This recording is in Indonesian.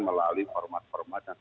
melalui format format yang